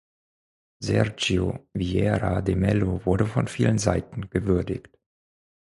Sergio Vieira de Mello wurde von vielen Seiten gewürdigt.